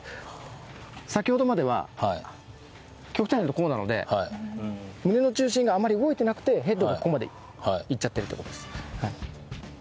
先ほどまでは極端にやるとこうなので胸の中心があんまり動いてなくてヘッドがここまでいっちゃってるって事です。